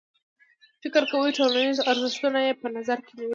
فکر کوي ټولنیز ارزښتونه یې په نظر کې نیولي.